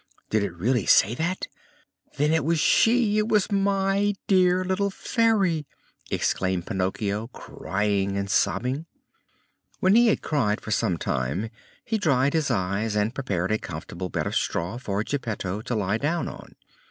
'" "Did it really say that? Then it was she! It was my dear little Fairy," exclaimed Pinocchio, crying and sobbing. When he had cried for some time he dried his eyes and prepared a comfortable bed of straw for Geppetto to lie down upon.